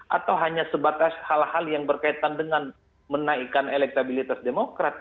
atau hanya sebatas hal hal yang berkaitan dengan menaikkan elektabilitas demokrat